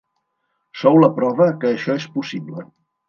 Sou la prova que això és possible.